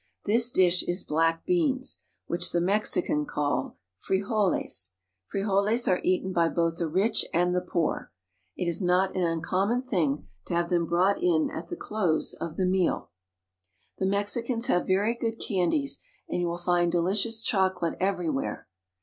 This dish is black beans, which the Mexicans call frijoles (fre o'les). Frijoles are eaten by both the rich and the poor. It is not an uncornmon THE MOUNTAIN DISTRICTS. 343 thing to have them brought in at the close of the meal. The Mexicans have very good candies, and you will find delicious chocolate everywhere.